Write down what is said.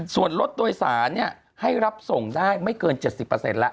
ส่วนรถโดยสารให้รับส่งได้ไม่เกิน๗๐แล้ว